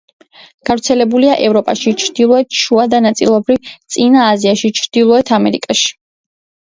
გავრცელებულია ევროპაში, ჩრდილოეთ, შუა და ნაწილობრივ წინა აზიაში, ჩრდილოეთ ამერიკაში.